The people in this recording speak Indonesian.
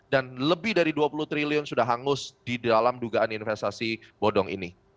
dan lebih dari dua puluh triliun sudah hangus di dalam dugaan investasi bodong ini